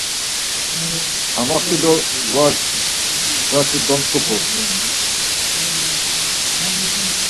Amaxt̆u do var, zat̆i domtzupu.